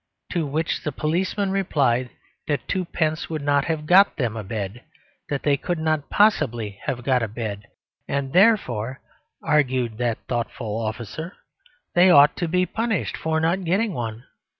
To which the policeman replied that twopence would not have got them a bed: that they could not possibly have got a bed: and therefore (argued that thoughtful officer) they ought to be punished for not getting one.